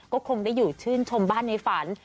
ก็คงได้อยู่ชื่นชมบ้านในฝัน